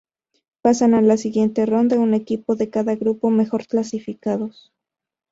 Pasan a la siguiente ronda un equipo de cada grupo mejor clasificados.